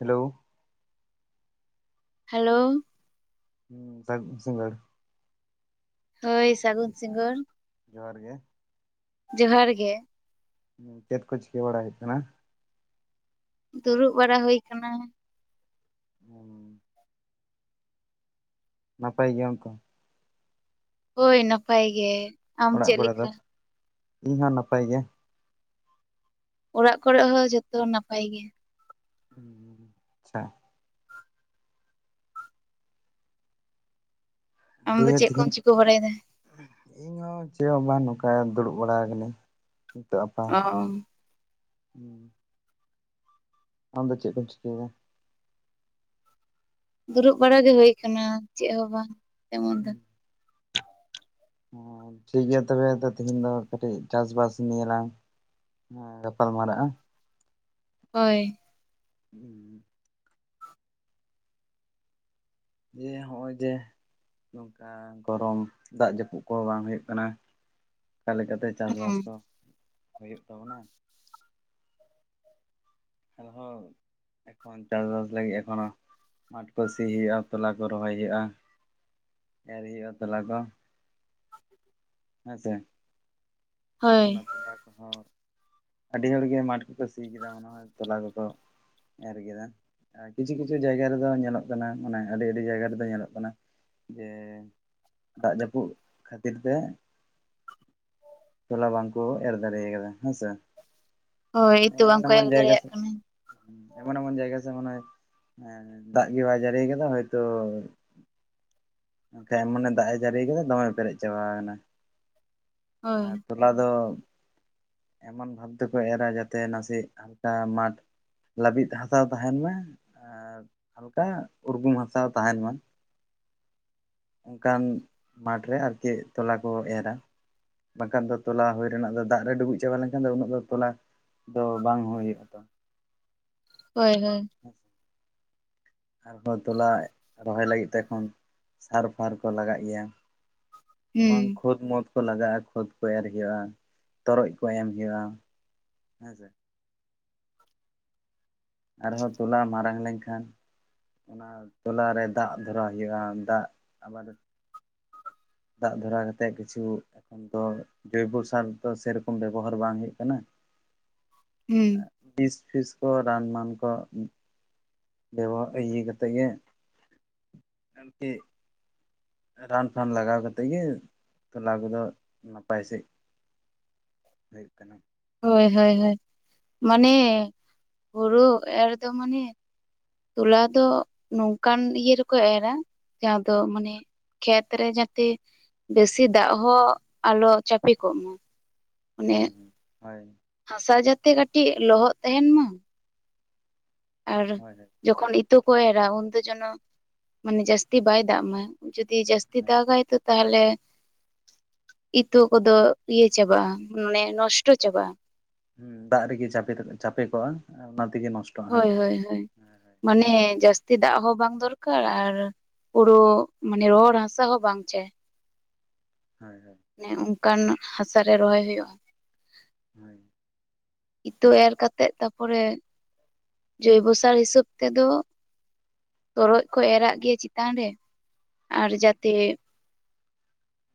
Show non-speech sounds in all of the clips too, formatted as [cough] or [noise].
Hello hello ᱦᱮᱸ ᱥᱟᱹᱜᱩᱱ ᱥᱤᱜᱟᱹᱲ ᱦᱳᱭ ᱥᱟᱹᱜᱩᱱ ᱥᱤᱜᱟᱹᱲ ᱡᱚᱦᱟᱨ ᱜᱮ ᱡᱚᱦᱟᱨ ᱜᱮ ᱪᱮᱫ ᱠᱚ ᱪᱤᱠᱟᱹ ᱵᱟᱲᱟ ᱦᱩᱭᱩᱜ ᱠᱟᱱᱟ᱾ ᱫᱩᱲᱩᱵ ᱵᱟᱲᱟ ᱦᱩᱭ ᱠᱟᱱᱟ᱾ ᱦᱩᱸ ᱱᱟᱯᱟᱭ ᱜᱮᱭᱟᱢ ᱛᱚ ᱦᱳᱭ ᱱᱟᱯᱟᱭ ᱜᱮ ᱟᱢ ᱚᱲᱟᱜ ᱪᱮᱫ ᱠᱚᱨᱮ ᱫᱚ, ᱞᱮᱠᱟ ᱤᱧᱦᱚᱸ ᱱᱟᱯᱟᱭ ᱜᱮ ᱚᱲᱟᱜ ᱠᱚᱨᱮ ᱦᱚᱸ ᱡᱚᱛᱚ ᱱᱟᱯᱟᱭ ᱜᱮ ᱦᱩᱸ ᱟᱪᱪᱷᱟ ᱟᱢ ᱫᱚ ᱫᱤᱭᱮ ᱪᱮᱫ ᱠᱚᱢ ᱛᱤᱦᱤᱱ ᱪᱤᱠᱟᱹ ᱵᱟᱲᱟᱭᱮᱫᱟ ᱤᱧᱦᱚᱸ ᱪᱮᱫ ᱦᱚᱸ ᱵᱟᱝ ᱱᱚᱝᱠᱟ ᱫᱩᱲᱩᱵ ᱵᱟᱲᱟ ᱟᱠᱟᱱᱟᱹᱧ᱾ ᱱᱤᱛᱚᱜ ᱟᱯᱟᱢ ᱚ ᱦᱚᱸ ᱟᱢᱫᱚ ᱪᱮᱫ ᱠᱚᱢ ᱪᱤᱠᱟᱹᱭᱮᱫᱟ᱾ ᱫᱩᱲᱩᱵ ᱵᱟᱲᱟ ᱜᱮ ᱦᱩᱭ ᱟᱠᱟᱱᱟ ᱪᱮᱫ ᱦᱚᱸ ᱵᱟᱝ ᱛᱮᱢᱚᱱ ᱫᱚ᱾ ᱦᱮ ᱴᱷᱤᱠᱜᱮᱭᱟ ᱛᱚᱵᱮ ᱛᱤᱦᱮᱧ ᱫᱚ, ᱠᱟᱹᱴᱤᱡ ᱪᱟᱥᱵᱟᱥ ᱱᱤᱭᱮᱞᱟᱝ ᱦᱮᱸ ᱜᱟᱯᱟᱞ ᱢᱟᱨᱟᱜᱼᱟ ᱦᱳᱭ [unintelligible] ᱮᱭᱮ ᱦᱚᱜᱼᱚᱭ ᱡᱮ ᱱᱚᱝᱠᱟ ᱜᱚᱨᱚᱢ ᱫᱟᱜ ᱡᱟᱹᱯᱩᱫ ᱠᱚᱦᱚᱸ ᱵᱟᱝ ᱦᱩᱭᱩᱜ ᱠᱟᱱᱟ ᱚᱱᱠᱟ ᱞᱮᱠᱟᱛᱮ ᱪᱟᱥᱵᱟᱥ ᱦᱩᱸ ᱠᱚ ᱦᱩᱭᱩᱜ ᱛᱟᱵᱚᱱᱟ [unintelligible] ᱮᱠᱷᱚᱱ ᱪᱟᱥᱵᱟᱥ ᱞᱟᱹᱜᱤᱫ ᱮᱠᱷᱚᱱᱚ ᱢᱟᱴᱷ ᱠᱚ ᱥᱤ ᱦᱩᱭᱩᱜᱼᱟ ᱛᱚᱞᱟ ᱠᱚ ᱨᱚᱦᱚᱭ ᱦᱩᱭᱩᱜᱼᱟ᱾ ᱮᱨ ᱦᱩᱭᱩᱜᱼᱟ ᱛᱚᱞᱟ ᱠᱚ ᱦᱮᱸ ᱥᱮ, ᱦᱳᱭ ᱮᱠᱷᱚᱱ ᱛᱮᱞᱟ ᱠᱚᱦᱚᱸ ᱟᱹᱰᱤ ᱦᱚᱲᱜᱮ ᱢᱟᱴᱷ ᱠᱚᱠᱚ ᱥᱤ ᱠᱮᱫᱟ ᱢᱚᱦᱚᱭ ᱛᱚᱞᱟ ᱠᱚᱠᱚ ᱮᱨ ᱠᱮᱫᱟ᱾᱾ ᱟᱨ ᱠᱤᱪᱷᱩ ᱠᱤᱪᱷᱩ ᱡᱟᱭᱜᱟ ᱨᱮᱫᱚ ᱧᱮᱞᱚᱜ ᱠᱟᱱᱟ ᱢᱟᱱᱮ ᱟᱹᱰᱤ ᱟᱹᱰᱤ ᱡᱟᱭᱜᱟ ᱨᱮᱫᱚ ᱧᱮᱞᱚᱜ ᱠᱟᱱᱟ ᱡᱮ ᱫᱟᱜ ᱡᱟᱹᱯᱩᱫ ᱠᱷᱟᱹᱛᱤᱨ ᱛᱮ ᱛᱚᱞᱟ ᱵᱟᱝᱠᱚ ᱮᱨ ᱫᱟᱲᱮ ᱠᱟᱫᱟ ᱦᱮᱸ ᱥᱮ ᱦᱳᱭ ᱱᱤᱛᱚᱜ ᱵᱟᱝ ᱮᱢᱚᱱ ᱠᱚᱭᱚᱜ ᱼ ᱮᱡᱟᱱ ᱫᱟᱲᱮᱭᱟᱜ ᱥᱮ ᱠᱟᱱᱟ ᱮᱢᱚᱱ ᱮᱢᱚᱱ ᱡᱟᱭᱜᱟ ᱥᱮ ᱢᱚᱱᱮᱦᱚᱭ ᱮᱻ ᱫᱟᱜ ᱜᱮ ᱵᱟᱭ ᱡᱟᱹᱲᱤ ᱠᱟᱫᱟᱭ ᱦᱚᱭ ᱛᱚᱼᱼ ᱱᱝᱠᱟ ᱮ ᱢᱚᱱᱮ ᱫᱟᱜ ᱮ ᱡᱟᱹᱲᱤ ᱠᱟᱫᱟᱭ ᱫᱚᱢᱮ ᱯᱮᱨᱮᱡ ᱪᱟᱵᱟ ᱠᱟᱱᱟ ᱦᱳᱭ ᱟᱨ ᱛᱚᱞᱟ ᱫᱚ ᱮᱢᱚᱱ ᱵᱷᱟᱵ ᱛᱮᱠᱚ ᱮᱨᱼᱟ ᱡᱟᱛᱮ ᱱᱟᱥᱮᱭᱟᱜ ᱟᱴᱟ ᱢᱟᱴᱷ ᱞᱟᱹᱵᱤᱫ ᱦᱟᱥᱟ ᱛᱟᱦᱮᱱ ᱢᱟ ᱟᱨ ᱦᱟᱞᱠᱟ ᱩᱨᱜᱩᱢ ᱦᱟᱥᱟ ᱛᱟᱦᱮᱱ ᱢᱟ ᱚᱱᱠᱟᱱ ᱢᱟᱴᱷ ᱨᱮ ᱟᱨᱠᱤ ᱛᱚᱞᱟ ᱠᱚ ᱮᱨᱟ ᱵᱟᱝᱠᱷᱟᱱ ᱫᱚ ᱛᱚᱞᱟ ᱦᱳᱭ ᱨᱮᱱᱟᱜ ᱫᱚ, ᱫᱟᱜ ᱨᱮ ᱰᱩᱵᱩᱡ ᱪᱟᱵᱟ ᱞᱮᱱᱠᱷᱟᱱ ᱫᱚ, ᱩᱱᱟᱹᱜ ᱫᱚ ᱛᱚᱞᱟ ᱫᱚ ᱵᱟᱝ ᱦᱩᱭᱩᱜ ᱛᱚ᱾ ᱦᱳᱭ ᱼ ᱦᱳᱭ ᱟᱨᱦᱚᱸ ᱛᱚᱞᱟ ᱨᱚᱦᱚᱭ ᱞᱟᱹᱜᱤᱫ ᱛᱮᱠᱷᱚᱱ ᱥᱟᱨ ᱯᱷᱟᱨ ᱠᱚ ᱞᱟᱜᱟᱜ ᱜᱮᱭᱟ ᱡᱮᱢᱚᱱ ᱦᱩᱸ ᱠᱷᱚᱛ ᱢᱚᱛ ᱠᱚ ᱞᱟᱜᱟᱜᱼᱟ, ᱠᱷᱚᱛ ᱠᱚ ᱮᱨ ᱦᱩᱭᱩᱜᱼᱟ, ᱛᱚᱨᱚᱡ ᱠᱚ ᱮᱢ ᱦᱩᱭᱩᱜᱼᱟ ᱦᱮᱸ ᱼ ᱥᱮ ᱟᱨᱦᱚᱸ ᱛᱚᱞᱟ ᱢᱟᱨᱟᱝ ᱞᱮᱱᱠᱷᱟᱱ ᱚᱱᱟ ᱛᱚᱞᱟᱨᱮ ᱫᱟᱜ ᱫᱷᱚᱨᱟᱣ ᱦᱩᱭᱩᱜᱼᱟ ᱫᱟᱜ ᱟᱵᱟᱨ ᱫᱟᱜ ᱫᱷᱚᱨᱟᱣ ᱠᱟᱛᱮᱫ ᱠᱤᱪᱷᱩ ᱛᱚ ᱡᱳᱭᱵᱚ ᱥᱟᱨ ᱫᱚ ᱥᱮᱨᱚᱠᱚᱢ ᱵᱮᱵᱚᱦᱟᱨ ᱵᱟᱝ ᱦᱩᱭᱩᱜ ᱠᱟᱱᱟ ᱦᱩᱸ᱾ ᱯᱤᱥ ᱯᱤᱥ ᱠᱚᱨ ᱨᱟᱱ ᱢᱟᱱ ᱠᱚ ᱵᱮᱵᱷᱜ ᱤᱭᱟᱹ ᱠᱟᱛᱮ ᱜᱮ [inaudible] ᱨᱟᱱ ᱯᱷᱟᱱ ᱞᱟᱜᱟᱣ ᱠᱟᱛᱮᱫ ᱜᱮ ᱛᱚᱞᱟ ᱠᱚᱫᱚ ᱱᱟᱯᱟᱭ ᱥᱤᱜ ᱦᱩᱭᱩᱜ ᱠᱟᱱᱟ᱾ ᱦᱳᱭ ᱼ ᱦᱳᱭ ᱼ ᱦᱳᱭ ᱢᱟᱱᱮ ᱦᱩᱲᱩ ᱮᱨ ᱫᱚ ᱢᱟᱱᱮ ᱛᱚᱞᱟ ᱫᱚ ᱱᱚᱝᱠᱟᱱ ᱤᱭᱟᱹ ᱨᱮᱠᱚ ᱮᱨᱟ ᱡᱟᱦᱟᱸ ᱫᱚ ᱢᱟᱱᱮ ᱠᱷᱮᱛᱨᱮ ᱡᱟᱛᱮ ᱵᱮᱥᱤ ᱫᱟᱜ ᱦᱚᱸ ᱟᱞᱚ ᱪᱟᱯᱮ ᱠᱚᱜ ᱢᱟ᱾ ᱚᱱᱮ ᱦᱩᱸ ᱦᱩᱸ ᱦᱳᱭ ᱦᱟᱥᱟ ᱡᱟᱛᱮ ᱠᱟᱹᱴᱤᱡ ᱞᱚᱦᱚᱫ ᱛᱟᱦᱮᱱ ᱢᱟ ᱟᱨ ᱦᱳᱭ ᱡᱚᱠᱷᱚᱱ ᱤᱛᱟᱹ ᱠᱚ ᱮᱨᱟ ᱩᱱ ᱫᱚ ᱡᱮᱱᱚ ᱢᱟᱱᱮ ᱡᱟᱹᱥᱛᱤ ᱵᱟᱭ ᱫᱟᱜ ᱢᱟᱭ ᱡᱩᱫᱤ ᱡᱟᱹᱥᱛᱤ ᱦᱳᱭ ᱫᱟᱜᱼᱟᱭ ᱛᱚ ᱛᱟᱦᱟᱞᱮ ᱤᱛᱟᱹ ᱠᱚᱫᱚ ᱤᱭᱟᱹ ᱪᱟᱵᱟᱜᱼᱟ, ᱢᱟᱱᱮ ᱱᱚᱥᱴᱚ ᱪᱟᱵᱟᱜᱼᱟ᱾ ᱦᱩᱸ ᱫᱟᱜ ᱨᱮᱜᱤ ᱪᱟᱯᱮ [unintelligible] ᱪᱟᱯᱮ ᱠᱚᱜᱼᱟ ᱚᱱᱟ ᱛᱮᱜᱮ ᱱᱚᱥ ᱦᱳᱭ - ᱦᱳᱭ ᱼ ᱦᱳᱭ ᱢᱟᱱᱮ ᱡᱟᱹᱥᱛᱤ ᱫᱟᱜ ᱦᱚᱸ ᱵᱟᱝ ᱫᱚᱨᱠᱟᱨ ᱟᱨ ᱯᱩᱨᱟᱹ ᱢᱟᱱᱮ ᱨᱚᱦᱚᱲ ᱦᱟᱥᱟ ᱦᱚᱸ ᱵᱟᱝ ᱪᱮ ᱦᱚᱭᱸ- ᱦᱚᱭ ᱟᱱᱮ ᱚᱱᱠᱟᱱ ᱦᱟᱥᱟ ᱨᱮ ᱨᱚᱦᱚᱭ ᱦᱩᱭᱩᱜᱼᱟ [inaudible] ᱤᱛᱟᱹ ᱮᱨ ᱠᱟᱛᱮᱜ ᱛᱟᱯᱚᱨᱮ [unintelligible] ᱡᱳᱭᱵᱚ ᱥᱟᱨ ᱦᱤᱥᱟᱹᱵ ᱛᱮᱫᱚ ᱛᱚᱨᱚᱡ ᱠᱚ ᱮᱨᱟᱼᱜ ᱜᱮᱭᱟ ᱪᱮᱛᱟᱱ ᱨᱮ ᱟᱨ ᱡᱟᱛᱮ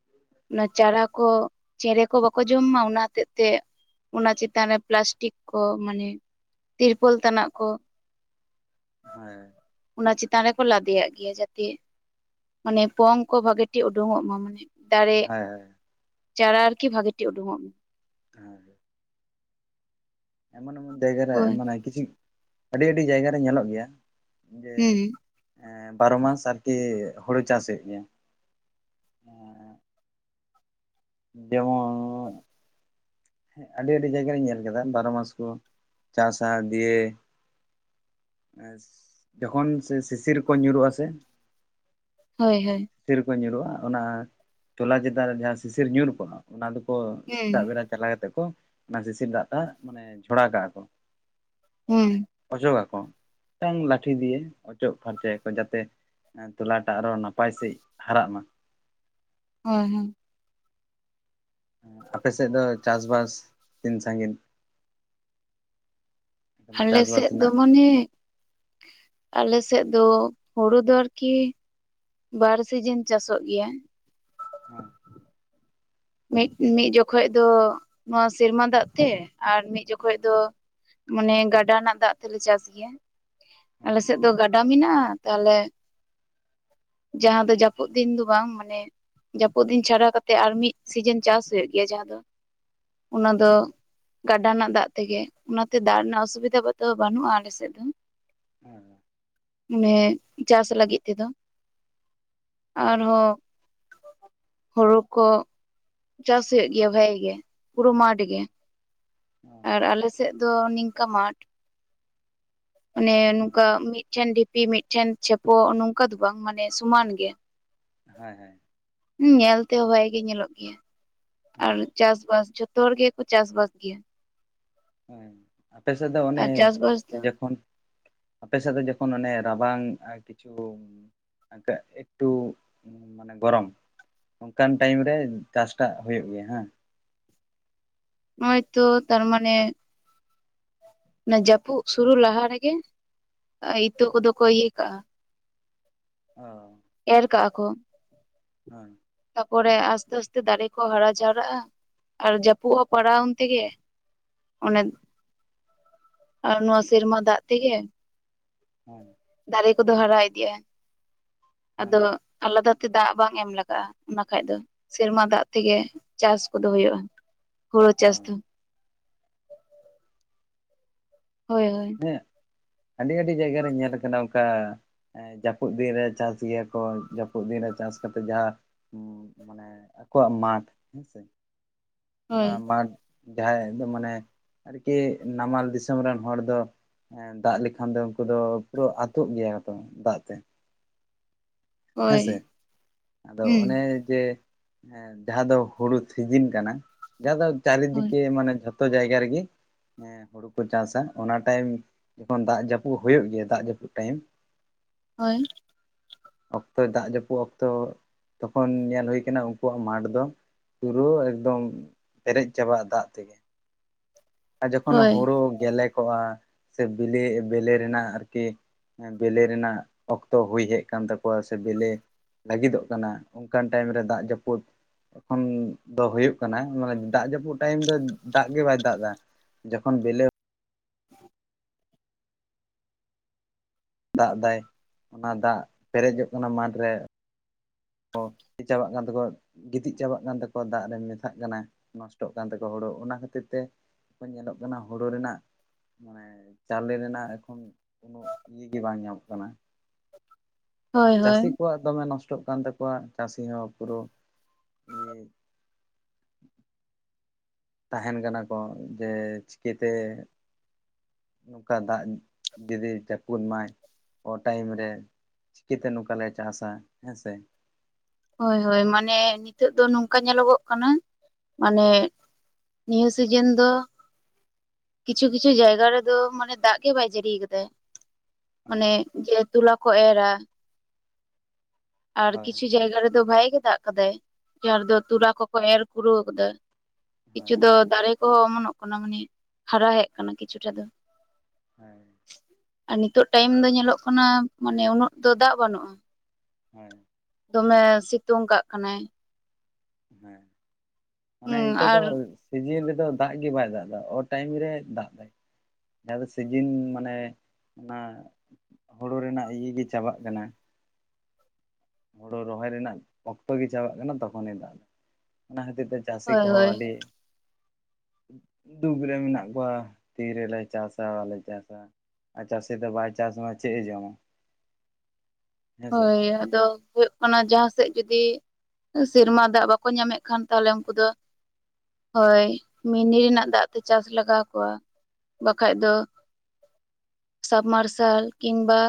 [inaudible] ᱚᱱᱟ ᱪᱟᱨᱟ ᱠᱚ ᱪᱮᱬᱮ ᱠᱚ ᱵᱟᱠᱚ ᱡᱚᱢ ᱢᱟ ᱚᱱᱟ ᱦᱚᱛᱮᱜ ᱛᱮ ᱚᱱᱟ ᱪᱮᱛᱟᱱ ᱨᱮ ᱯᱞᱟᱥᱴᱤᱠ ᱠᱚ ᱢᱟᱱᱮ ᱛᱤᱨᱯᱳᱞ ᱛᱟᱱᱟᱜ ᱠᱚ ᱦᱮᱭ ᱚᱱᱟ ᱪᱮᱛᱟᱱ ᱨᱮᱠᱚ ᱞᱟᱫᱮᱭᱟᱼᱜ ᱜᱮᱭᱟ ᱡᱟᱛᱮ ᱢᱟᱱᱮ ᱯᱚᱝ ᱠᱚ ᱵᱷᱟᱜᱮ ᱴᱷᱤᱠ ᱩᱰᱩᱝ ᱚᱜ ᱢᱟ ᱢᱟᱱᱮ ᱫᱟᱨᱮ ᱦᱳᱭ ᱪᱟᱨᱟ ᱟᱨᱠᱤ ᱵᱷᱟᱜᱤ ᱴᱷᱤᱠ ᱩᱰᱩᱠᱚᱜ ᱢᱮ ᱦᱮ [unintelligible] ᱮᱢᱚᱱ ᱮᱢᱚᱱ ᱡᱟᱭᱜᱟᱨ ᱨᱮ ᱦᱳᱭ ᱢᱟᱱᱮ ᱠᱤᱪᱷᱩ ᱟᱹᱰᱤ ᱟᱹᱰᱤ ᱡᱟᱭᱜᱟᱨ ᱨᱮ ᱧᱮᱞᱚᱜ ᱜᱮᱭᱟ ᱡᱮ ᱦᱩᱸ ᱮᱸᱻ ᱵᱟᱨᱚ ᱢᱟᱥ ᱟᱨᱠᱤ ᱦᱩᱲᱩ ᱪᱟᱥ ᱦᱩᱭᱩᱜ ᱜᱮᱭᱟ᱾ ᱡᱮᱢᱚᱱ ᱟᱹᱰᱤ ᱟᱹᱰᱤ ᱡᱟᱭᱜᱟ ᱨᱤᱧ ᱧᱮᱞ ᱠᱮᱫᱟ ᱵᱟᱨᱚ ᱢᱟᱥ ᱠᱚ ᱪᱟᱥᱟ ᱫᱤᱭᱮ ᱡᱚᱠᱷᱚᱱ ᱥᱮ ᱥᱤᱥᱤᱨᱠᱚ ᱧᱩᱨᱩᱜᱼᱟ ᱥᱮ ᱦᱳᱭ ᱦᱳᱭ ᱥᱤᱥᱤᱨ ᱠᱚ ᱧᱩᱨᱩᱜᱼᱟ ᱚᱱᱟ ᱛᱚᱞᱟ ᱪᱮᱛᱟᱱ ᱨᱮ ᱡᱟᱦᱟᱸ ᱥᱤᱥᱤᱨ ᱧᱩᱨ ᱠᱚᱜᱼᱟ ᱚᱱᱟ ᱫᱚᱠᱚ ᱦᱩᱸ ᱥᱮᱛᱟᱜ ᱵᱮᱲᱟ ᱪᱟᱞᱟᱣ ᱠᱟᱛᱮ ᱠᱚ ᱚᱱᱟ ᱥᱤᱥᱤᱨ ᱫᱟᱜ ᱢᱟᱱᱮ ᱡᱷᱚᱲᱟ ᱠᱟᱜᱼᱟ ᱠᱚ ᱦᱩᱸ ᱢᱟᱱᱮ [unintelligible] ᱚᱪᱚᱜᱟᱠᱚ ᱢᱤᱫᱴᱟᱝ ᱞᱟᱴᱷᱤ ᱫᱤᱭᱮ ᱚᱪᱚᱜ ᱯᱷᱟᱨᱪᱟᱭᱟ ᱠᱚ ᱡᱟᱛᱮ ᱛᱚᱞᱟᱴᱟᱜ ᱟᱨᱦᱚ ᱱᱟᱯᱟᱭ ᱥᱟᱹᱦᱤᱡ ᱦᱟᱨᱟᱜ ᱢᱟ᱾ ᱦᱳᱭ ᱦᱮᱸ ᱟᱯᱮ ᱥᱮᱫ ᱫᱚ ᱪᱟᱥᱵᱟᱥ ᱛᱤᱱ ᱥᱟᱺᱜᱤᱧ? ᱟᱞᱮ ᱪᱟᱥᱵᱟᱥ ᱥᱮᱫ ᱫᱚ ᱨᱮᱱᱟᱜ ᱢᱟᱱᱮ ᱦᱳᱭ ᱟᱞᱮ ᱥᱮᱫ ᱫᱚ ᱦᱩᱲᱩ ᱫᱚ ᱟᱨᱠᱤ᱾ ᱵᱟᱨ ᱥᱤᱡᱤᱱ ᱪᱟᱥᱚᱜ ᱜᱮᱭᱟ᱾ ᱦᱮᱸ ᱢᱤᱫ ᱢᱤᱫ ᱡᱚᱠᱷᱚᱡ ᱫᱚ ᱱᱚᱣᱟ ᱥᱮᱨᱢᱟ ᱫᱟᱜ ᱛᱮ ᱟᱨ ᱢᱤᱫ ᱡᱚᱠᱷᱚᱱ ᱫᱚ ᱢᱟᱱᱮ ᱜᱟᱰᱟ ᱨᱮᱱᱟᱜ ᱫᱟᱜ ᱛᱮᱞᱮ ᱪᱟᱥ ᱜᱮᱭᱟ ᱦᱳᱭ ᱟᱞᱮᱥᱮᱫ ᱫᱚ ᱜᱟᱰ ᱰᱟ ᱢᱮᱱᱟᱜᱼᱟ ᱛᱟᱦᱚᱞᱮ᱾ ᱡᱟᱦᱟᱸ ᱫᱚ ᱡᱟᱹᱯᱩᱫ ᱫᱤᱱ ᱫᱚ ᱵᱟᱝ ᱢᱟᱱᱮ ᱡᱟᱹᱯᱩᱫ ᱫᱤᱱ ᱪᱷᱟᱰᱟ ᱠᱟᱛᱮᱜ ᱟᱨ ᱢᱤᱫ ᱥᱤᱡᱮᱱ ᱪᱟᱥ ᱦᱩᱭᱩᱜ ᱜᱮᱭᱟ ᱡᱟᱦᱟᱸ ᱫᱚ ᱚᱱᱟ ᱫᱚ ᱜᱟᱰᱟ ᱨᱮᱱᱟᱜ ᱫᱟᱜ ᱛᱮᱜᱮ ᱚᱱᱟᱛᱮ ᱫᱟᱜ ᱨᱮᱱᱟᱜ ᱚᱥᱩᱵᱤᱫᱟ ᱫᱚ ᱵᱟᱹᱱᱩᱜᱼᱟ ᱟᱞᱮᱥᱮᱫ ᱫᱚ᱾ ᱦᱮᱸ [unintelligible] ᱢᱟᱱᱮ ᱪᱟᱥ ᱞᱟᱹᱜᱤᱫ ᱛᱮᱫᱚ ᱦᱳᱭ ᱟᱨᱦᱚᱸ ᱦᱩᱲᱩ ᱠᱚ ᱪᱟᱥ ᱦᱩᱭᱩᱜ ᱜᱮᱭᱟ ᱵᱷᱟᱜᱮ ᱜᱮ ᱯᱩᱨᱟᱹ ᱢᱟᱴ ᱦᱳᱭ ᱜᱮ ᱟᱨ ᱦᱳᱭ ᱟᱞᱮ ᱟᱞᱮ ᱥᱮᱫ ᱫᱚ ᱱᱤᱝᱠᱟ ᱢᱟᱴᱷ ᱚᱱᱮ ᱱᱚᱝᱠᱟ ᱢᱤᱫᱴᱷᱮᱱ ᱰᱷᱤᱯᱤ ᱢᱤᱫᱴᱷᱮᱱ ᱪᱷᱮᱯᱚ ᱱᱚᱝᱠᱟ ᱫᱚ ᱵᱟᱝ ᱢᱟᱱᱮ ᱥᱚᱢᱟᱱ ᱜᱮ᱾ ᱦᱳᱭ ᱦᱳᱭ ᱧᱮᱞ ᱛᱮᱦᱚᱸ ᱵᱷᱟᱜᱮ ᱜᱮ ᱧᱮᱞᱚᱜ ᱜᱮᱭᱟ ᱟᱨ ᱦᱳᱭ ᱪᱟᱥᱵᱟᱥ ᱡᱚᱛᱚ ᱡᱚᱛᱚ ᱦᱚᱲ ᱜᱮᱠᱚ ᱪᱟᱥ ᱵᱟᱥ ᱜᱮᱭᱟ᱾ ᱦᱮᱸ ᱟᱯᱮ ᱥᱮᱫ ᱫᱚ ᱚᱱᱮ ᱟᱨ ᱪᱟᱥᱵᱟᱥ ᱫᱚ ᱡᱚᱠᱷᱚᱱ ᱟᱯᱮᱥᱮᱫ ᱫᱚ ᱡᱚᱠᱷᱚᱱ ᱚᱱᱮ ᱨᱟᱵᱟᱝ ᱠᱤᱪᱷᱩ ᱮᱠᱴᱩ ᱢᱟᱱᱮ ᱜᱚᱨᱚᱢ ᱾ ᱚᱱᱠᱟᱱ ᱴᱟᱭᱤᱢ ᱨᱮ ᱪᱟᱥᱴᱟᱜ ᱦᱩᱭᱩᱜ ᱜᱮᱭᱟ ᱦᱮᱸ᱾ ᱱᱚᱭᱛᱚ ᱛᱟᱨ ᱢᱟᱱᱮ ᱚᱱᱟ ᱡᱟᱹᱯᱩᱫ ᱥᱩᱨᱩ ᱞᱟᱦᱟ ᱨᱮᱜᱮ ᱤᱛᱟᱹ ᱠᱚᱫᱚ ᱠᱚ ᱤᱭᱟᱹ ᱠᱟᱜᱼᱟ᱾ ᱚ ᱮᱨ ᱟᱠᱟᱜ ᱼᱟ ᱠᱚ ᱦᱮᱸ ᱛᱟᱯᱚᱨᱮ ᱟᱥᱛᱮ ᱟᱥᱛᱮ ᱫᱟᱨᱮ ᱠᱚ ᱦᱟᱨᱟ ᱡᱟᱣᱨᱟᱜᱼᱟ᱾ ᱟᱨ ᱡᱟᱹᱯᱩᱫ ᱦᱚᱸ ᱯᱟᱲᱟᱣᱟᱜ ᱟ ᱩᱱ ᱛᱮᱜᱮ ᱚᱱᱮ ᱟᱨ ᱱᱚᱣᱟ ᱥᱮᱨᱢᱟ ᱫᱟᱜ ᱛᱮᱜᱮ ᱦᱮᱸ ᱫᱟᱨᱮ ᱠᱚᱫᱚ ᱦᱟᱨᱟ ᱤᱫᱤᱜᱼᱟ ᱦᱮᱸ ᱟᱫᱚ ᱟᱞᱟᱫᱟ ᱛᱮ ᱫᱟᱜ ᱵᱟᱝ ᱮᱢ ᱞᱟᱜᱟᱜᱼᱟ ᱚᱱᱟ ᱠᱷᱟᱱ ᱫᱚ ᱥᱮᱨᱢᱟ ᱫᱟᱜ ᱛᱮᱜᱮ ᱪᱟᱥ ᱠᱚᱫᱚ ᱦᱩᱭᱩᱜᱼᱟ ᱦᱩᱲᱩ ᱪᱟᱥ ᱦᱳᱭ ᱫᱚ᱾ ᱦᱳᱭ ᱦᱳᱭ ᱦᱮᱸ ᱟᱹᱰᱤ ᱟᱹᱰᱤ ᱡᱟᱭᱜᱟ ᱨᱮ ᱧᱮᱞ ᱟᱠᱟᱱᱟ ᱚᱱᱠᱟ ᱡᱟᱹᱯᱩᱫ ᱫᱤᱱᱨᱮ ᱪᱟᱥ ᱜᱮᱭᱟ ᱠᱚ ᱡᱟᱹᱯᱩᱫ ᱫᱤᱱ ᱨᱮ ᱪᱟᱥ ᱠᱟᱛᱮᱜ ᱡᱟᱦᱟᱸ ᱢᱟᱱᱮ ᱟᱠᱚᱣᱟᱜ ᱢᱟᱴᱷ ᱦᱮᱸᱥᱮ ᱚᱱᱟ ᱦᱳᱭ ᱢᱟᱴᱷ ᱡᱟᱦᱟᱸᱭ ᱫᱚ ᱢᱟᱱᱮ ᱟᱨᱠᱤ ᱱᱟᱢᱟᱞ ᱫᱤᱥᱚᱢ ᱨᱮᱱ ᱦᱚᱲ ᱫᱚ ᱫᱟᱜ ᱞᱮᱠᱷᱟᱱ ᱫᱚ ᱩᱱᱠᱩ ᱫᱚ ᱯᱩᱨᱟᱹ ᱟᱹᱛᱩᱜ ᱜᱮᱭᱟ ᱛᱚ ᱫᱟᱜ ᱛᱮ ᱦᱮᱸ ᱦᱳᱭ ᱥᱮ ᱟᱫᱚ ᱦᱩᱸ ᱚᱱᱮ ᱡᱮ ᱦᱮᱸ ᱡᱟᱦᱟᱸ ᱫᱚ ᱦᱩᱲᱩ ᱥᱤᱡᱤᱱ ᱠᱟᱱᱟ ᱡᱟᱦᱟᱸ ᱫᱚ ᱦᱳᱭ ᱪᱟᱨᱤᱫᱤᱠᱮ ᱢᱟᱱᱮ ᱡᱚᱛ ᱛᱚ ᱡᱟᱭᱜᱟ ᱨᱮᱜᱤ ᱦᱮ ᱦᱳᱲᱳ ᱠᱚ ᱪᱟᱥᱟ ᱚᱱᱟ ᱴᱟᱭᱤᱢ ᱡᱚᱠᱷᱚᱱ ᱫᱟᱜ ᱡᱟᱹᱯᱩᱫ ᱦᱳᱭᱳᱜ ᱜᱮᱭᱟ ᱫᱟᱜ ᱡᱟᱹᱯᱩᱫ ᱴᱟᱭᱤᱢ, ᱦᱳᱭ ᱾ ᱚᱠᱛᱚ ᱫᱟᱜ ᱡᱟᱹᱯᱩᱫ ᱚᱠᱛᱚ ᱛᱚᱠᱷᱚᱱ ᱧᱮᱞ ᱦᱩᱭ ᱠᱟᱱᱟ ᱩᱱᱠᱩᱣᱟᱜ ᱢᱟᱴᱷ ᱫᱚ ᱯᱩᱨᱟᱹ ᱮᱠᱫᱚᱢ ᱯᱮᱨᱮᱡ ᱪᱟᱵᱟᱜᱼᱟ ᱫᱟᱜ ᱛᱮᱜᱮ, ᱟᱨ ᱡᱚᱠᱷᱚᱱ ᱦᱳᱭ ᱦᱳᱲᱳ ᱜᱮᱞᱮ ᱠᱚᱜᱼᱟ ᱥᱮ ᱵᱮᱞᱮ ᱵᱮᱞᱮ ᱨᱮᱱᱟᱜ ᱟᱨᱠᱤ ᱵᱤᱞᱤ ᱨᱮᱱᱟᱜ ᱚᱠᱛᱚ ᱦᱩᱭ ᱦᱮᱡ ᱠᱟᱱ ᱛᱟᱠᱚᱣᱟ ᱥᱮ ᱵᱤᱞᱤ ᱞᱟᱹᱜᱤᱫᱚᱜ ᱠᱟᱱᱟ ᱚᱱᱠᱟᱱ ᱴᱟᱭᱤᱢ ᱨᱮ ᱫᱟᱜ ᱡᱟᱹᱯᱩᱫ ᱮᱠᱷᱚᱱ ᱫᱚ ᱦᱳᱭᱳᱜ ᱠᱟᱱᱟ ᱢᱟᱱᱮ ᱫᱟᱜ ᱡᱟᱹᱯᱩᱫ ᱴᱟᱭᱤᱢ ᱫᱚ ᱫᱟᱜ ᱜᱮ ᱵᱟᱭ ᱫᱟᱜ ᱮᱫᱟ ᱾ ᱡᱮᱠᱷᱚᱱ ᱵᱤᱞᱟ ᱫᱟᱜ ᱫᱟᱭ ᱚᱱᱟ ᱫᱟᱜ ᱯᱮᱨᱮᱡᱚᱜ ᱠᱟᱱᱟ ᱢᱟᱴᱷᱨᱮ ᱚ ᱪᱟᱵᱟᱜ ᱠᱟᱱ ᱛᱟᱠᱚᱣᱟ ᱾ ᱜᱤᱛᱤᱡ ᱪᱟᱵᱟᱜ ᱠᱟᱱ ᱛᱟᱠᱚᱣᱟ ᱫᱟᱜ ᱨᱮ ᱢᱮᱥᱟᱜ ᱠᱟᱱᱟ ᱱᱚᱥᱴᱚᱜ ᱠᱟᱱ ᱛᱟᱠᱚᱣᱟ ᱦᱳᱲᱳ ᱚᱱᱟ ᱠᱷᱟᱹᱛᱤᱨ ᱛᱮ ᱧᱮᱞᱚᱜ ᱠᱟᱱᱟ ᱦᱳᱲᱳ ᱨᱮᱱᱟᱜ, ᱢᱟᱱᱮ ᱪᱟᱣᱞᱮ ᱨᱮᱱᱟᱜ ᱮᱠᱷᱚᱱ ᱩᱱᱟᱹᱜ ᱤᱭᱟᱹ ᱜᱮ ᱵᱟᱝ ᱧᱟᱢᱚᱜ ᱠᱟᱱᱟ ᱾ ᱦᱳᱭ ᱦᱳᱭ ᱪᱟᱹᱥᱤ ᱠᱚᱣᱟᱜ ᱫᱚᱢᱮ ᱱᱚᱥᱴᱚᱜ ᱠᱟᱱ ᱛᱟᱠᱚᱣᱟ ᱪᱟᱹᱥᱤ ᱦᱚᱸ ᱯᱩᱨᱟᱹ ᱜᱮ ᱾ ᱛᱟᱦᱮᱱ ᱠᱟᱱᱟ ᱠᱚ ᱡᱮ ᱪᱤᱠᱟᱹᱛᱮ ᱾ ᱱᱚᱝᱠᱟ ᱫᱟᱜ ᱡᱩᱫᱤ ᱡᱟᱹᱯᱩᱫ ᱢᱟᱭ ᱚ ᱴᱟᱭᱤᱢ ᱨᱮ, ᱪᱤᱠᱟᱹᱛᱮ ᱱᱚᱝᱠᱟ ᱞᱮ ᱪᱟᱥᱟ ᱦᱮᱸ ᱥᱮ? ᱦᱳᱭ ᱦᱳᱭ ᱢᱟᱱᱮ ᱱᱤᱛᱚᱜ ᱫᱚ ᱱᱚᱝᱠᱟ ᱧᱮᱞᱚᱜᱚᱜ ᱠᱟᱱᱟ ᱢᱟᱱᱮ ᱱᱤᱭᱟᱹ ᱥᱤᱡᱮᱱ ᱫᱚ ᱠᱤᱪᱷᱩ ᱠᱤᱪᱷᱩ ᱡᱟᱭᱜᱟ ᱨᱮᱫᱚ ᱢᱟᱱᱮ ᱫᱟᱜ ᱜᱮ ᱵᱟᱭ ᱡᱟᱹᱲᱤ ᱠᱟᱫᱟ ᱾ ᱢᱟᱱᱮ ᱦᱳᱭ ᱡᱮ ᱛᱚᱞᱟ ᱠᱚ ᱮᱨᱟ ᱟᱨ ᱦᱳᱭ ᱠᱤᱪᱷᱩ ᱡᱟᱭᱜᱟ ᱨᱮᱫᱚ ᱵᱷᱟᱜᱮ ᱜᱮ ᱫᱟᱜ ᱠᱟᱫᱟᱭ ᱡᱟᱦᱟᱸ ᱨᱮᱫᱚ ᱛᱚᱨᱟ ᱠᱚᱠᱚ ᱮᱨ ᱠᱩᱨᱟᱹᱣ ᱠᱟᱫᱟ ᱾ ᱠᱤᱪᱷᱩ ᱦᱳᱭ ᱫᱚ ᱫᱟᱨᱮ ᱠᱚᱦᱚᱸ ᱚᱢᱚᱱᱚᱜ ᱠᱟᱱᱟ ᱢᱟᱱᱮ ᱦᱟᱨᱟ ᱠᱟᱱᱟ ᱠᱤᱪᱷᱩᱴᱟ ᱫᱚ ᱾ [unintelligible] ᱟᱨ ᱱᱤᱛᱚᱜ ᱴᱟᱭᱤᱢ ᱫᱚ ᱧᱮᱞᱚᱜ ᱠᱟᱱᱟ ᱢᱟᱱᱮ ᱩᱱᱟᱹᱜ ᱫᱚ ᱫᱟᱜ ᱵᱟᱹᱱᱩᱜᱼᱟ ᱾ ᱦᱳᱭ ᱾ ᱫᱚᱢᱮ ᱥᱮᱛᱳᱝ ᱠᱟᱜ ᱠᱟᱱᱟᱭ ᱾ ᱦᱮᱸ ᱢᱟᱱᱮ ᱦᱩᱸ ᱱᱤᱛᱚᱜ ᱫᱚ ᱟᱨ ᱥᱤᱡᱮᱱ ᱨᱮᱫᱚ ᱫᱟᱜ ᱜᱮ ᱵᱟᱭ ᱫᱟᱜ ᱫᱟ ᱚ ᱴᱟᱭᱤᱢ ᱨᱮ ᱫᱟᱜ ᱮᱫᱟᱭ ᱾ ᱡᱟᱦᱟᱸ ᱫᱚ ᱥᱤᱡᱤᱱ ᱢᱟᱱᱮ ᱚᱱᱟ ᱾ ᱦᱳᱲᱳ ᱨᱮᱱᱟᱜ ᱤᱭᱟᱹ ᱜᱮ ᱪᱟᱵᱟᱜ ᱠᱟᱱᱟ ᱦᱩᱲᱩ ᱨᱚᱦᱚᱭ ᱨᱮᱱᱟᱜ ᱚᱠᱛᱚ ᱜᱮ ᱪᱟᱵᱟᱜ ᱠᱟᱱᱟ ᱛᱚᱠᱷᱚᱱᱮ ᱫᱟᱜ ᱮᱫᱟ ᱚᱱᱟ ᱠᱷᱟᱹᱛᱤᱨ ᱛᱮ ᱪᱟᱹᱥᱤ ᱦᱳᱭ ᱠᱚᱦᱚᱸ ᱦᱳᱭ ᱟᱹᱰᱤ ᱫᱩᱠ ᱨᱮ ᱢᱮᱱᱟᱜ ᱠᱚᱣᱟ ᱛᱤ ᱨᱮᱞᱮ ᱪᱟᱥᱟ ᱵᱟᱞᱮ ᱪᱟᱥᱟ ᱪᱟᱹᱥᱤ ᱫᱚ ᱵᱟᱭ ᱪᱟᱥᱢᱟ ᱪᱮᱫ ᱮ ᱡᱚᱢᱟ? ᱦᱮᱸᱥᱮ ᱦᱳᱭ ᱟᱫᱚ ᱾ ᱚᱱᱟ ᱡᱟᱦᱟᱸ ᱥᱮᱫ ᱡᱩᱫᱤ ᱥᱮᱨᱢᱟ ᱫᱟᱜ ᱵᱟᱠᱚ ᱧᱟᱢᱮᱫ ᱠᱷᱟᱱ ᱛᱟᱦᱚᱞᱮ ᱩᱱᱠᱩ ᱫᱚ ᱦᱳᱭ ᱢᱤᱱᱤ ᱨᱮᱱᱟᱜ ᱫᱟᱜ ᱛᱮ ᱪᱟᱥ ᱞᱟᱜᱟᱣ ᱟᱠᱚᱣᱟ ᱾ ᱵᱟᱠᱷᱟᱡ ᱫᱚ ᱾ ᱥᱟᱵᱢᱟᱨᱥᱟᱞ ᱠᱤᱢᱵᱟ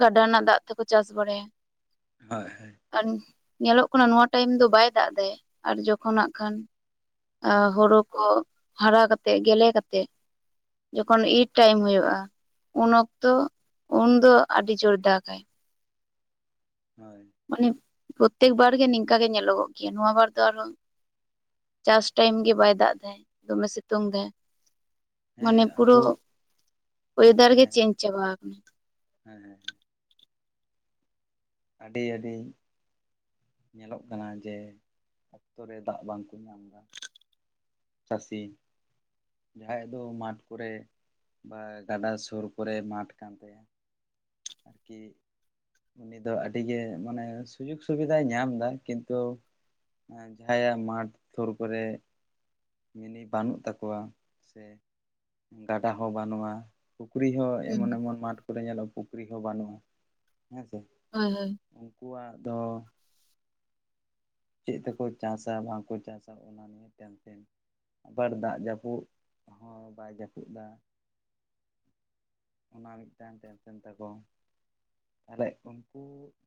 ᱜᱟᱰᱟ ᱨᱮᱱᱟᱜ ᱫᱟᱜ ᱛᱮᱠᱚ ᱪᱟᱥ ᱵᱟᱲᱟᱭᱟ ᱾ ᱦᱳᱭ ᱦᱳᱭ ᱾ ᱟᱨ ᱧᱮᱞᱚᱜ ᱠᱟᱱᱟ ᱱᱚᱣᱟ ᱴᱟᱭᱤᱢ ᱫᱚ ᱵᱟᱭ ᱫᱟᱜ ᱮᱫᱟ ᱟᱨ ᱡᱚᱠᱷᱚᱱ ᱱᱟᱜ ᱠᱷᱟᱱ ᱾ ᱦᱳᱭ ᱦᱩᱲᱩ ᱠᱚ ᱦᱟᱨᱟ ᱠᱟᱛᱮᱜ ᱜᱮᱞᱮ ᱠᱟᱛᱮᱜ ᱾ ᱡᱚᱠᱷᱚᱱ ᱤᱨ ᱴᱟᱭᱤᱢ ᱦᱳᱳᱜᱼᱟ ᱩᱱ ᱚᱠᱛᱚ ᱩᱱ ᱫᱚ ᱟᱹᱰᱤ ᱡᱳᱨ ᱫᱟᱜᱟᱭ ᱾ ᱦᱳᱭ ᱾ ᱢᱟᱱᱮ ᱯᱨᱚᱛᱮᱠ ᱵᱟᱨ ᱜᱮ, ᱱᱤᱝ ᱠᱟᱜᱮ ᱧᱮᱞᱚᱜᱚᱜ ᱜᱮᱭᱟ, ᱱᱚᱣᱟ ᱵᱟᱨ ᱫᱚ ᱟᱨᱦᱚᱸ ᱪᱟᱥ ᱴᱟᱭᱤᱢ ᱜᱮ ᱵᱟᱭ ᱫᱟᱜ ᱫᱟ, ᱫᱚᱢᱮ ᱥᱤᱛᱩᱝ ᱫᱟᱭ᱾ ᱦᱮᱸ ᱢᱟᱱᱮ ᱯᱩᱨᱟᱹ ᱟᱵᱚ ᱚᱭᱮᱫᱟᱨ ᱜᱮ, ᱦᱮᱸ ᱪᱮᱧᱡ ᱪᱟᱵᱟ ᱠᱟᱱᱟ᱾ ᱦᱮᱸ ᱦᱮᱸ [unintelligible] ᱟᱹᱰᱤ, ᱟᱹᱰᱤ, ᱧᱮᱞᱚᱜ ᱠᱟᱱᱟ ᱡᱮ, ᱚᱠᱛᱚ ᱨᱮ ᱫᱟᱜ ᱵᱟᱝ ᱠᱚ ᱧᱟᱢ ᱫᱟ᱾ ᱪᱟᱹᱥᱤ ᱡᱟᱦᱟᱸᱭᱟᱜ ᱫᱚ ᱢᱟᱴᱷ ᱠᱚᱨᱮ, ᱵᱟ ᱜᱟᱰᱟ ᱥᱳᱨ ᱠᱚᱨᱮ ᱢᱟᱴᱷ ᱠᱟᱱ ᱛᱟᱭᱟ ᱟᱨᱠᱤ [unintelligible] ᱩᱱᱤ ᱫᱚ ᱟᱹᱰᱤ ᱜᱮ, ᱢᱟᱱᱮ ᱥᱩᱡᱳᱜᱽ ᱥᱩᱵᱤᱫᱷᱟᱭ ᱧᱟᱢ ᱫᱟ, ᱠᱤᱱᱛᱩ ᱡᱟᱦᱟᱸᱭᱟᱜ ᱢᱟᱴᱷ ᱛᱷᱳᱨ ᱠᱚᱨᱮ ᱢᱤᱱᱤ ᱵᱟᱹᱱᱩᱜ ᱛᱟᱠᱚᱣᱟ, ᱥᱮ ᱜᱟᱰᱟ ᱦᱚᱸ ᱵᱟᱹᱱᱩᱜᱼᱟ᱾ ᱯᱩᱠᱷᱨᱤ ᱦᱚᱸ ᱦᱩᱸ᱾ ᱮᱢᱚᱱ ᱮᱢᱚᱱ ᱢᱟᱴᱷ ᱠᱚᱨᱮ ᱧᱮᱞᱚᱜᱼᱟ, ᱯᱩᱠᱷᱨᱤ ᱦᱚᱸ ᱵᱟᱹᱱᱩᱜᱼᱟ, ᱦᱮᱸ ᱥᱮ ᱦᱳᱭ, ᱦᱳᱭ, ᱾ ᱩᱱᱠᱩ ᱣᱟᱜ ᱫᱚ ᱪᱮᱜ ᱛᱮᱠᱚ ᱪᱟᱥᱟ, ᱵᱟᱝ ᱠᱚ ᱪᱟᱥᱟ, ᱚᱱᱟ ᱱᱤ ᱟᱵᱟᱨ ᱫᱟᱜ ᱡᱟᱹᱯᱩᱫᱽ, ᱦᱚᱸ ᱵᱟᱭ ᱡᱟᱹᱯᱩᱫᱽ ᱫᱟ᱾ ᱚᱱᱟ ᱢᱤᱫ ᱴᱟᱱ ᱴᱮᱱ ᱥᱮᱱ ᱛᱟᱠᱚ᱾ ᱛᱟᱦᱚᱞᱮ ᱩᱱᱠᱩ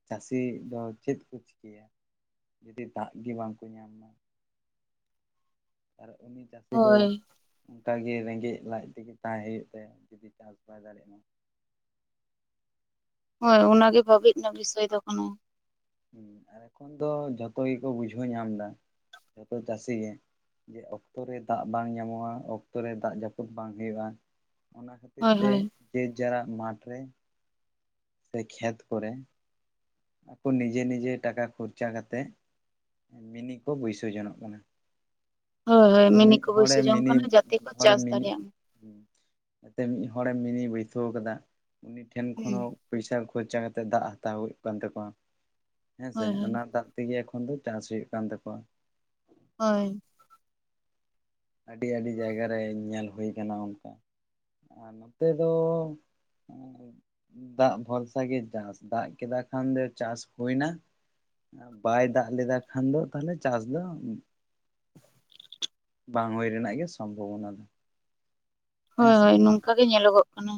ᱪᱟᱹᱥᱤ ᱫᱚ, ᱪᱮᱫ ᱠᱚ ᱪᱤᱠᱟᱹᱭᱟ? ᱡᱩᱫᱤ ᱫᱟᱜ ᱜᱮ ᱵᱟᱝ ᱠᱚ ᱧᱟᱢ ᱢᱟ? ᱟᱨ ᱩᱱᱤ ᱪᱟᱹᱥᱤ ᱫᱚ ᱦᱳᱭ ᱚᱱᱠᱟ ᱜᱮ ᱨᱮᱸᱜᱮᱡ ᱞᱟᱡ ᱛᱮᱜᱮ ᱛᱟᱦᱮᱸ ᱦᱳᱭᱳᱜ ᱛᱟᱭᱟ, ᱡᱩᱫᱤ ᱪᱟᱥ ᱵᱟᱭ ᱫᱟᱲᱮᱭᱟᱜᱼᱟ᱾ ᱦᱳᱭ ᱚᱱᱟᱜᱮ ᱵᱷᱟᱹᱵᱤᱡ ᱨᱮᱱᱟᱜ ᱵᱤᱥᱚᱭ ᱫᱚ ᱠᱟᱱᱟ᱾ ᱦᱮᱸ ᱟᱨ, ᱮᱠᱷᱚᱱ ᱫᱚ ᱡᱷᱚᱛᱚ ᱜᱮᱠᱚ ᱵᱩᱡᱷᱟᱹᱣ ᱧᱟᱢ ᱫᱟ, ᱡᱷᱚᱛᱚ ᱪᱟᱹᱥᱤ ᱜᱮ ᱡᱮ ᱚᱠᱛᱚ ᱨᱮ ᱫᱟᱜ ᱵᱟᱝ ᱧᱟᱢᱚᱜᱼᱟ, ᱚᱠᱛᱚ ᱨᱮ ᱫᱟᱜ ᱡᱟᱹᱯᱩᱫ ᱵᱟᱝ ᱦᱳᱭᱳᱜᱼᱟ᱾ ᱚᱱᱟ ᱠᱷᱟᱹᱛᱤᱨ ᱦᱳᱭ ᱛᱮ, ᱦᱳᱭ ᱡᱮ ᱡᱟᱨᱟᱜ ᱢᱟᱴᱷ ᱨᱮ ᱥᱮ ᱠᱷᱮᱛ ᱠᱚᱨᱮ ᱟᱠᱚ ᱱᱤᱡᱮ, ᱱᱤᱡᱮ ᱴᱟᱠᱟ ᱠᱷᱚᱨᱪᱟ ᱠᱟᱛᱮ ᱢᱤᱱᱤ ᱠᱚ ᱵᱟᱹᱭᱥᱟᱹᱣ ᱡᱚᱱᱚᱜ ᱠᱟᱱᱟ᱾ ᱦᱳᱭ, ᱦᱳᱭ ᱥᱮ ᱢᱤᱱᱤ ᱢᱤᱫ ᱠᱚ ᱦᱚᱲᱮ ᱵᱟᱹᱭᱥᱟᱹᱣ ᱡᱚᱝ ᱠᱟᱱᱟ, ᱡᱟᱛᱮ ᱠᱚ ᱪᱟᱥ ᱫᱟᱲᱮᱭᱟᱜ ᱢᱟ᱾ ᱡᱟᱛᱮ ᱢᱤᱫ ᱦᱚᱲᱮ ᱢᱤᱱᱤ ᱵᱟᱹᱭᱥᱷᱟᱹᱣ ᱠᱟᱫᱟ ᱩᱱᱤ ᱴᱷᱮᱱ ᱠᱷᱚᱱ ᱦᱩᱸ ᱦᱚᱸ ᱯᱚᱭᱥᱟ ᱠᱷᱚᱨᱪᱟ ᱠᱟᱛᱮ, ᱫᱟᱜ ᱦᱟᱛᱟᱣ ᱦᱳᱭᱳᱜ ᱠᱟᱱ ᱛᱟᱠᱚᱣᱟ, ᱦᱮᱸ ᱥᱮ ᱦᱳᱭ ᱦᱳᱭ ᱚᱱᱟ ᱫᱟᱜ ᱛᱮᱜᱮ ᱮᱠᱷᱚᱱ ᱫᱚ, ᱪᱟᱥ ᱦᱳᱭᱳᱜ ᱠᱟᱱ ᱛᱟᱠᱚᱣᱟ᱾ ᱦᱳᱭ, ᱟᱹᱰᱤ, ᱟᱹᱰᱤ ᱡᱟᱭᱜᱟ ᱨᱮ, ᱧᱮᱞ ᱦᱳᱭ ᱠᱟᱱᱟ ᱚᱱᱠᱟ᱾ ᱟᱨ ᱱᱚᱛᱮ ᱫᱚ ᱫᱟᱜ ᱵᱷᱚᱨᱥᱟ ᱜᱮ ᱪᱟᱥ, ᱫᱟᱜ ᱠᱮᱫᱟ ᱠᱷᱟᱱ ᱫᱚ ᱪᱟᱥ ᱦᱳᱭ ᱱᱟ ᱵᱟᱭ ᱫᱟᱜ ᱞᱮᱫᱟ ᱠᱷᱟᱱ ᱫᱚ, ᱛᱟᱦᱚᱞᱮ ᱪᱟᱥ ᱫᱚ ᱵᱟᱝ ᱦᱳᱭ ᱨᱮᱱᱟᱜ ᱜᱮ, ᱥᱚᱢᱵᱷᱚᱵᱚᱱᱟ ᱫᱚ᱾ ᱦᱮᱸ ᱦᱳᱭ, ᱥᱮ ᱦᱳᱭ, ᱱᱚᱝᱠᱟ ᱜᱮ ᱧᱮᱞᱚᱜᱚᱜ ᱠᱟᱱᱟ᱾